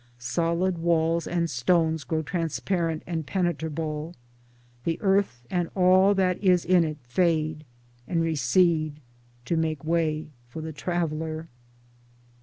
Solid walls and stones grow transparent and penetrable : the earth and all that is in it fade and recede to make way for the Traveler.